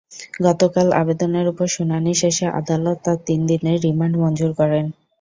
গতকাল আবেদনের ওপর শুনানি শেষে আদালত তাঁর তিন দিনের রিমান্ড মঞ্জুর করেন।